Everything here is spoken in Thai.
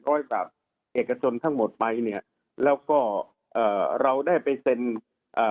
ให้กับเอกชนทั้งหมดไปเนี่ยแล้วก็เอ่อเราได้ไปเซ็นอ่า